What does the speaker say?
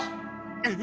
えっ？